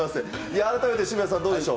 改めて渋谷さん、どうでしょう。